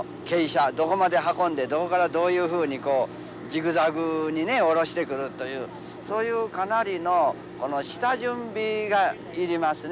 どこまで運んでどこからどういうふうにジグザグにね下ろしてくるというそういうかなりの下準備がいりますね。